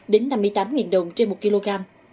đến năm mươi tám đồng trên một kg